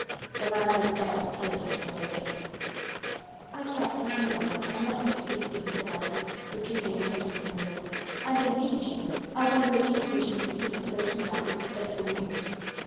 The man looked somewhat intelligent, and obeyed. "I cannot see anybody I am not fit to be seen," said Elsie, retreating in haste from the room; "and indeed, Jane, I wonder at you wishing to see him so soon after this dreadful news."